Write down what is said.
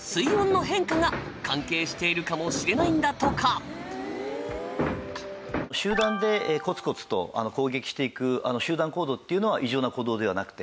そしてあの集団でコツコツと攻撃していく集団行動っていうのは異常な行動ではなくて。